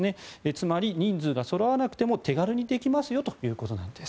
つまり人数がそろわなくても手軽にできますよということなんです。